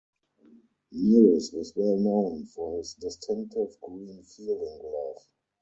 Norris was well known for his distinctive green fielding glove.